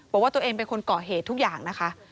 บอกว่าตัวเองเป็นคนก่อเหตุทุกอย่างนะคะ